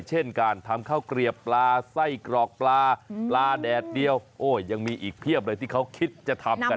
เช่นการทำข้าวเกลียบปลาไส้กรอกปลาปลาแดดเดียวโอ้ยังมีอีกเพียบเลยที่เขาคิดจะทำกัน